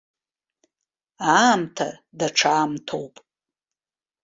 Аамҭа даҽа аамҭоуп.